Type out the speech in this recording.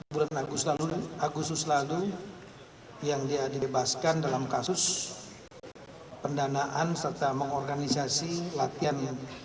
bulan agustus lalu agustus lalu yang dia dibebaskan dalam kasus pendanaan serta mengorganisasi latihan